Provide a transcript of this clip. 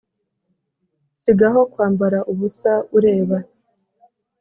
sigaho kwambara ubusa ureba